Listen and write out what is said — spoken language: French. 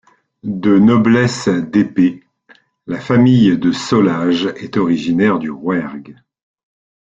De noblesse d'épée, la famille de Solages est originaire du Rouergue.